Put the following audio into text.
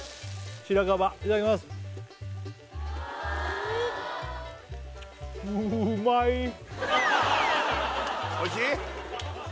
白樺いただきますおいしい？